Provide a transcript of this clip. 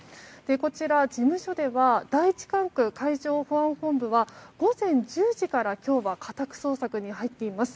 こちら、事務所では第１管区海上保安本部は午前１０時から今日は家宅捜索に入っています。